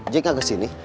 jadi gak kesini